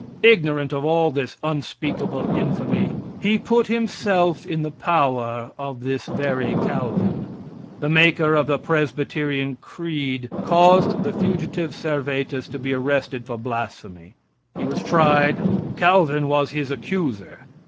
Ignorant of all this unspeakable infamy, he put himself in the power of this very Calvin. The maker of the Presbyterian creed caused the fugitive Servetus to be arrested for blasphemy. He was tried; Calvin was his accuser.